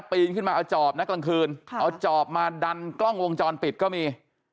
ปีนขึ้นมาเอาจอบนะกลางคืนเอาจอบมาดันกล้องวงจรปิดก็มี